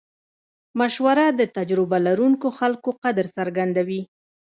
مشوره د تجربه لرونکو خلکو قدر څرګندوي.